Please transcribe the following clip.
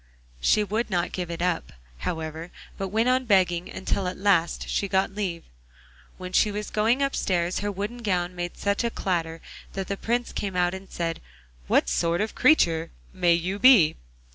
She would not give it up, however, but went on begging until at last she got leave. When she was going upstairs her wooden gown made such a clatter that the Prince came out and said, 'What sort of a creature may you be?